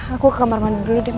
aku ke kamar mandi dulu deh mas